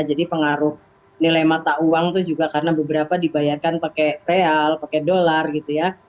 jadi pengaruh nilai mata uang itu juga karena beberapa dibayarkan pakai real pakai dolar gitu ya